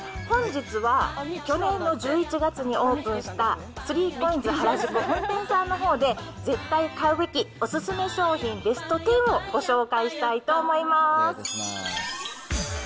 本日は、去年の１１月にオープンした、３コインズ原宿本店さんのほうで、絶対買うべきお勧め商品ベスト１０をご紹介したいと思います。